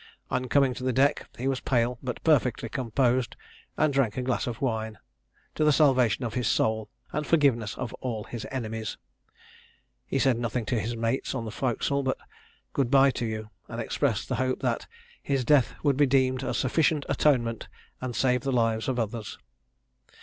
On coming to the deck, he was pale, but perfectly composed, and drank a glass of wine "to the salvation of his soul, and forgiveness of all his enemies!." He said nothing to his mates on the forecastle but "Good bye to you," and expressed a hope that "his death would be deemed a sufficient atonement, and save the lives of others!"